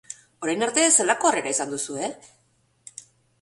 Orain arte, zelako harrera izan duzue?